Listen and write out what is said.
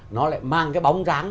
nó lại mang cái bóng ráng